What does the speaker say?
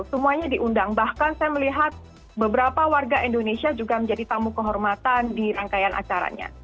semuanya diundang bahkan saya melihat beberapa warga indonesia juga menjadi tamu kehormatan di rangkaian acaranya